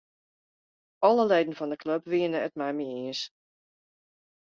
Alle leden fan 'e klup wiene it mei my iens.